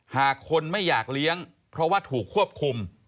หากคนไม่อยากเลี้ยงเพราะว่าถูกควบคุม